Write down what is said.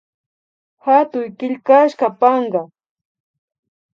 Hatuy killkashka panka